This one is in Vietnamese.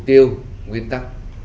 mục tiêu nguyên tắc